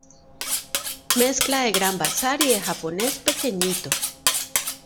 mezcla de gran bazar y de japonés pequeñito